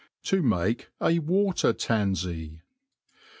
' To make a Water Tanfey.